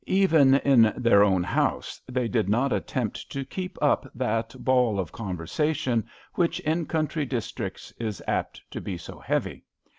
Even in their own house they did not attempt to keep up that ball of conversation which in country districts is apt to be so heavy.